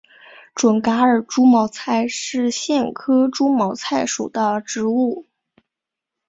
准噶尔猪毛菜是苋科猪毛菜属的植物。